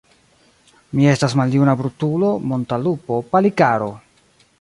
Mi estas maljuna brutulo, monta lupo, Palikaro!